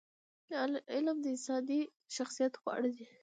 علم د انساني شخصیت خواړه دي.